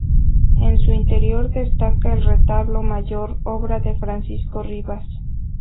En su interior destaca el retablo mayor, obra de Francisco Ribas.